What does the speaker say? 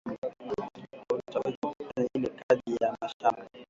Autaweza kufanya ile kaji ya mashamba